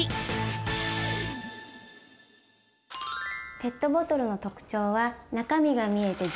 ペットボトルの特徴は中身が見えて丈夫なことです。